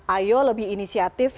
ayo lebih inisiatif